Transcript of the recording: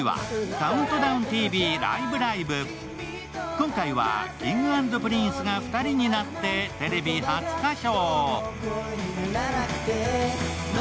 今回はＫｉｎｇ＆Ｐｒｉｎｃｅが２人になってテレビ初歌唱。